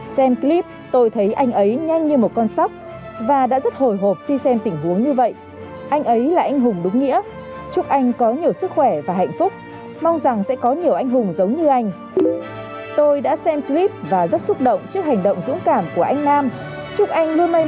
xem clip tôi thấy anh ấy nhanh như một con sóc và đã rất hồi hộp khi xem tình huống như vậy